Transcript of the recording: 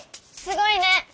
すごいね！